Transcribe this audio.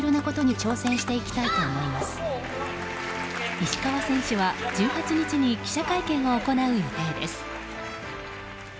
石川選手は１８日に記者会見を行う予定です。